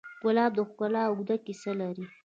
ګلاب د ښکلا اوږده کیسه لري.